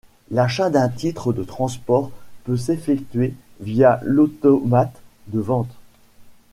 L’achat d’un titre de transport peut s’effectuer via l’automate de vente.